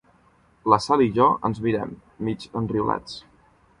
La Sal i jo ens mirem, mig enriolats.